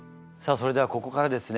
それではここからですね